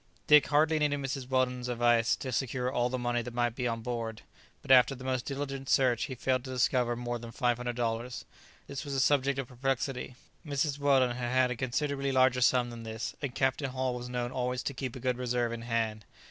Dick hardly needed Mrs. Weldon's advice to secure all the money that might be on board, but after the most diligent search he failed to discover more than five hundred dollars. This was a subject of perplexity. Mrs. Weldon herself had had a considerably larger sum than this, and Captain Hull was known always to keep a good reserve in hand.